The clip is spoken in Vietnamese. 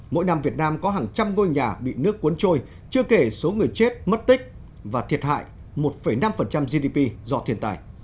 mỗi năm việt nam có hàng trăm ngôi nhà bị nước cuốn trôi chưa kể số người chết mất tích và thiệt hại một năm gdp do thiên tài